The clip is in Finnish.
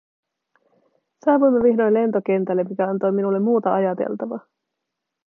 Saavuimme vihdoin lentokentälle, mikä antoi minulle muuta ajateltavaa.